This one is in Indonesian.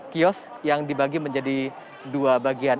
delapan kiosk yang dibagi menjadi dua bagian